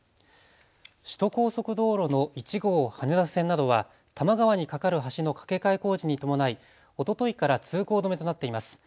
首都高速道路の１号羽田線などは多摩川に架かる橋の架け替え工事に伴いおとといから通行止めとなっています。